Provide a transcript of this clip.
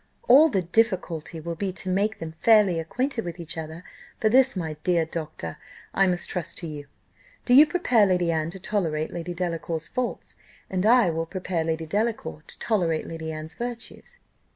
All the difficulty will be to make them fairly acquainted with each other; for this, my dear doctor, I must trust to you. Do you prepare Lady Anne to tolerate Lady Delacour's faults, and I will prepare Lady Delacour to tolerate Lady Anne's virtues."